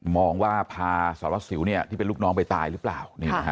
มองว่าพาสารวัสสิวที่เป็นลูกน้องไปตายหรือเปล่า